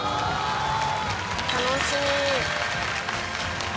楽しみ。